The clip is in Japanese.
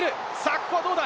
ここはどうだ？